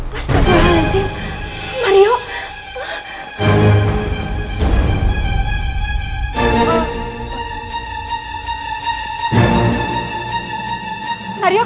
pasti aku akan menangis mario